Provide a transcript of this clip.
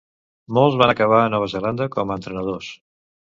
Molts van acabar a Nova Zelanda com a entrenadors.